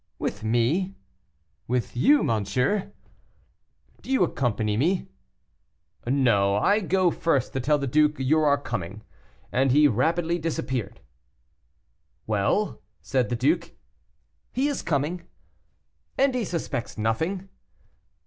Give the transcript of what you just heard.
"With me?" "With you, monsieur." "Do you accompany me?" "No, I go first, to tell the duke you are coming," and he rapidly disappeared. "Well?" said the duke. "He is coming." "And he suspects nothing?"